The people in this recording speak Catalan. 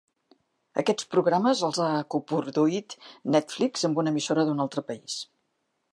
Aquests programes els ha coproduït Netflix amb una emissora d'un altre país.